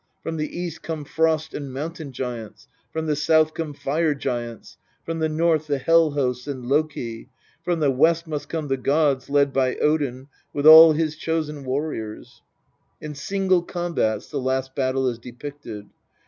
From the east come Frost and Mountain giants ; from the south come Fire giants ; from the north the Hel hosts, and Loki ; from the west must come the gods, led by Odin, with all his Chosen warriors. In single combats the last battle is depicted.